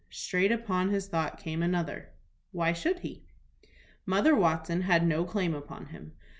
Straight upon this thought came another. "Why should he?" Mother Watson had no claim upon him.